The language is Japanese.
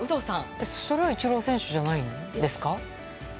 それはイチロー選手じゃないんですか？